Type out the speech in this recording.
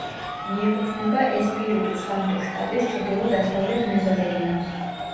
მიეკუთვნება ესპირიტუ-სანტუს შტატის ჩრდილო-დასავლეთ მეზორეგიონს.